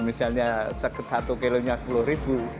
misalnya sekitar satu kg nya sepuluh ribu